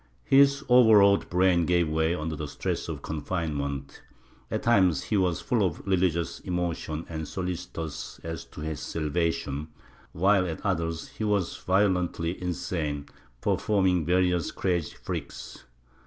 His overwrought brain gave way under the stress of confinement; at times he was full of religious emotion and solicitous as to his salvation, wliile at others he was violently insane, performing various crazy freaks.